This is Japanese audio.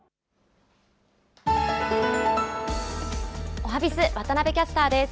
おはＢｉｚ、渡部キャスターです。